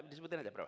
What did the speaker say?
dismutin aja berapa